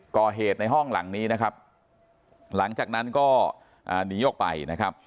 ก่อเหตุในห้องหลังนี้นะครับหลังจากนั้นก็หนีออกไปนะครับ